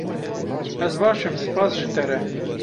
Ez baş im spas ji te re.